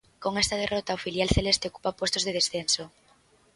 Con esta derrota o filial celeste ocupa postos de descenso.